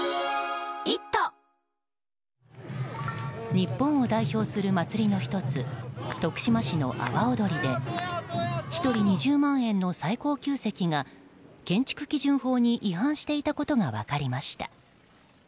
日本を代表する祭りの１つ徳島市の阿波おどりで１人２０万円の最高級席が建築基準法に違反していたことが分かりました。